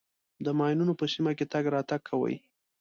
د ماینونو په سیمه کې تګ راتګ کوئ.